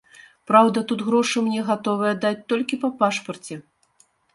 Праўда, тут грошы мне гатовыя даць толькі па пашпарце.